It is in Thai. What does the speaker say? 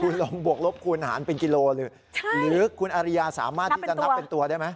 คุณลองบวกลบคูณหารเป็นกิโลหรือคุณอาริยาสามารถที่จะนับเป็นตัวได้ไหม